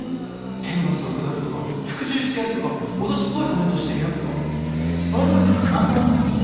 「天罰が下る」とか「復讐してやる」とか脅しっぽいコメントしてるやつが。